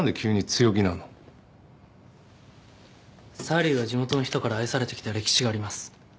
サリューは地元の人から愛されてきた歴史があります。